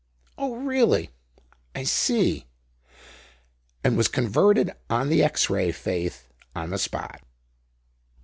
Oh, really. I see," and was converted on the X Ray faith on the spot.